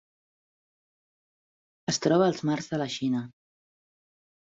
Es troba als mars de la Xina.